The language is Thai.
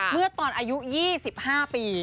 เมื่อตอนอายุ๒๕ปี